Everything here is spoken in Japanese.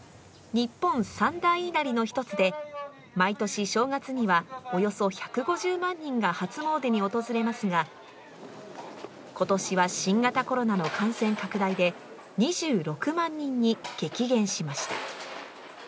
日本三大稲荷の一つで、毎年、正月にはおよそ１５０万人が初詣に訪れますが、今年は新型コロナの感染拡大で２６万人に激減しました。